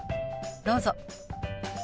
どうぞ。